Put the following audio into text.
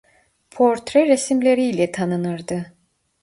Portre resimleriyle tanınırdı.